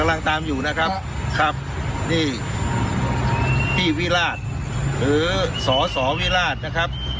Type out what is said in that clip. ตามอยู่นะครับครับนี่พี่วิราชหรือสสวิราชนะครับ